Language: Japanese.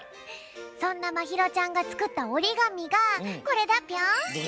そんなまひろちゃんがつくったおりがみがこれだぴょん。